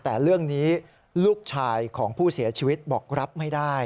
แต่เรื่องนี้ลูกชายของผู้เสียชีวิตบอกรับไม่ได้